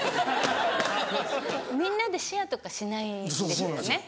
みんなでシェアとかしないですよね。